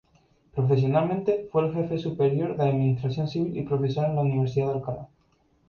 Profesionalmente, fue Jefe Superior de Administración Civil y profesor en la Universidad de Alcalá.